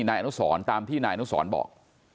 นายอนุสรตามที่นายอนุสรบอก